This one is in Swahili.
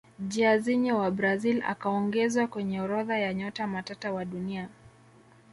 jairzinho wa brazil akaongezwa kwenye orodha ya nyota matata wa dunia